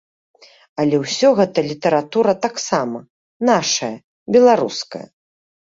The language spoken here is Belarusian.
Але ўсё гэта літаратура таксама, нашая, беларуская.